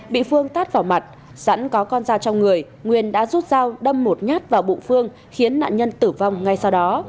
bị phương tát vào mặt sẵn có con dao trong người nguyên đã rút dao đâm một nhát vào bụng phương khiến nạn nhân tử vong ngay sau đó